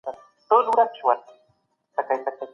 زه غواړم د سیاست په اړه ولیکم.